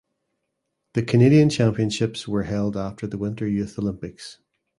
The Canadian Championships were held after the Winter Youth Olympics.